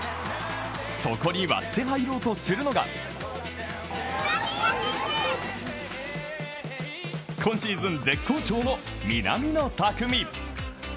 そこに割って入ろうとするのが今シーズン絶好調の南野拓実。